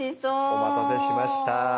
お待たせしました。